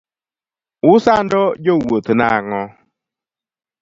Usando jo wuoth nang'o.